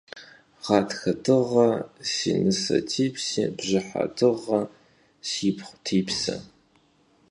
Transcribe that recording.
Ğatxe dığe si nıse tipsi, bjıhe dığe sipxhu tipse.